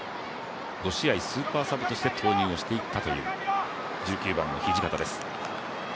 ５試合スーパーサブとして投入していったという１９番の土方です。